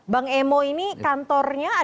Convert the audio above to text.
bang emo ini kantornya ada apa